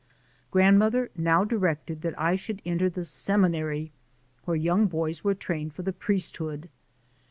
Grand mother now directed that I should enter the Semi nary where young boys were trained for the priest hood.